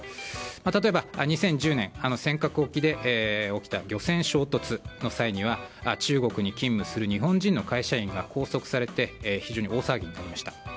例えば、２０１０年尖閣沖で起きた漁船衝突の際には中国に勤務する日本人の会社員が拘束されて非常に大騒ぎになりました。